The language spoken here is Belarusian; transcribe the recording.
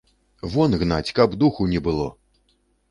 Вон гнаць, каб духу не было!